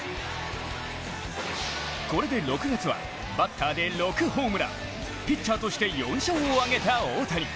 これで６月はバッターで６ホームラン、ピッチャーとして４勝を挙げた大谷。